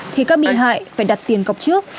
thì các bị hại phải đặt tiền cọc trước